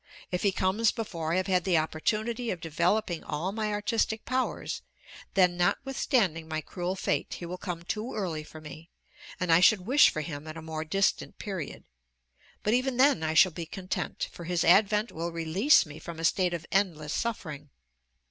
If he comes before I have had the opportunity of developing all my artistic powers, then, notwithstanding my cruel fate, he will come too early for me, and I should wish for him at a more distant period; but even then I shall be content, for his advent will release me from a state of endless suffering.